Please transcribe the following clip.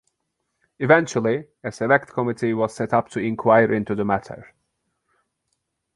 Eventually, a Select Committee was set up to inquire into the matter.